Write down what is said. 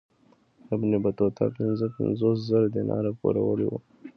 ابن بطوطه پنځه پنځوس زره دیناره پوروړی وو.